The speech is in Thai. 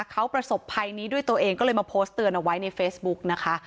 เขาประสบภัยนี้ด้วยตัวเองก็เลยมาโพสต์เตือนเอาไว้ในเฟซบุ๊กนะคะ